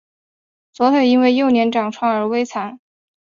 左腿因为幼年长疮而微残。